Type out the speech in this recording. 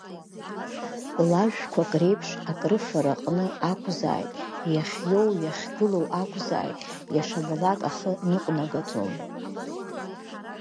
Лажәқәак реиԥш, акрыфараҟны акәзааит, иахьиоу, иахь гылоу акәзааит, ишабалак ахы ныҟәнагаӡом.